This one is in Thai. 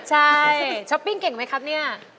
ใช่ช้อปปิ้งเก่งไหมครับเนี่ย